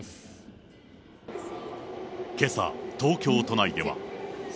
けさ、東京都内では。